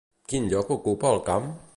Quin lloc ocupa al camp?